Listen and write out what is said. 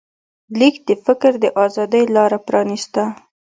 لیک د فکر د ازادۍ لاره پرانسته.